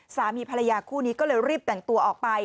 สามีภรรยาคู่นี้ก็เลยรีบแต่งตัวออกไป